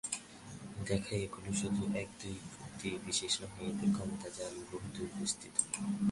দেখায়, এগুলো শুধু এক-দুই ব্যক্তির বিষয় নয়, এদের ক্ষমতার জাল বহুদূর বিস্তৃত।